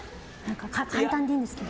簡単でいいんですけど。